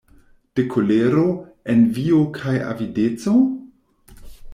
De kolero, envio kaj avideco?